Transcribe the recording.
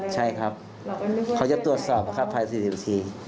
ใช่ครับเขาจะตรวจสอบครับภาย๔๐นาที